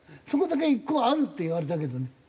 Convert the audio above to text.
そこだけ１個あるって言われたけどね。